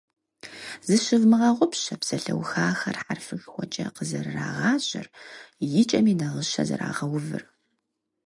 Зыщывмыгъэгъупщэ псалъэухахэр хьэрфышхуэкӀэ къызэрырагъажьэр, и кӀэми нагъыщэ зэрагъэувыр.